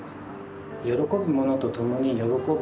喜ぶ者と共に喜ぶ。